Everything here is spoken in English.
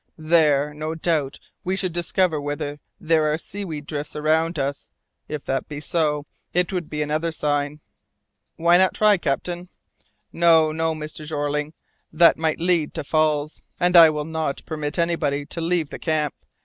There, no doubt, we should discover whether there are seaweed drifts around us; if that be so, it would be another sign." "Why not try, captain?" "No, no, Mr. Jeorling, that might lead to falls, and I will not permit anybody to leave the camp.